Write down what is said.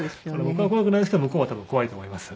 僕は怖くないんですけど向こうは多分怖いと思います。